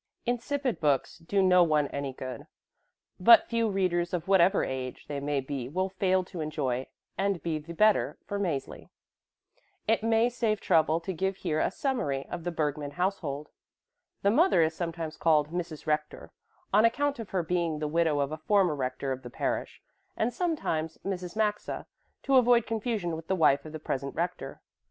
Insipid books do no one any good, but few readers of whatever age they may be will fail to enjoy and be the better for Mäzli. It may save trouble to give here a summary of the Bergmann household. The mother is sometimes called Mrs. Rector, on account of her being the widow of a former rector of the parish, and sometimes Mrs. Maxa, to avoid confusion with the wife of the present rector.